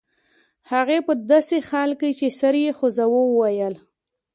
هغې په داسې حال کې چې سر یې خوځاوه وویل